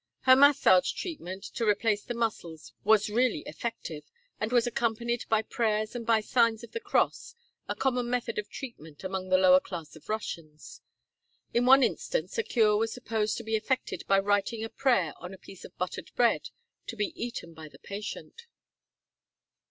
Her massage treatment to replace the muscles was really effective, and was accompanied by prayers and by signs of the cross, a common method of treatment among the lower class of Russians. In one instance a cure was supposed to be effected by writing a prayer on a piece of buttered bread to be eaten by the patient.